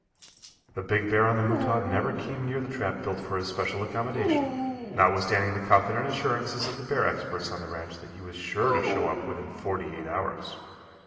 The big bear on the Mutaw never came near the trap built for his special accommodation, notwithstanding the confident assurances of the bear experts on the ranch that he was sure to show up within forty eight hours.